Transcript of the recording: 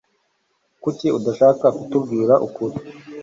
Kuki udashaka kutubwiza ukuri?